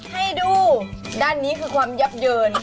ให้ดูด้านนี้คือความยับเยิน